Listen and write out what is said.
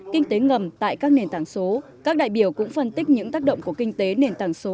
kinh tế ngầm tại các nền tảng số các đại biểu cũng phân tích những tác động của kinh tế nền tảng số